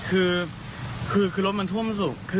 คือรถมันท่วมสุก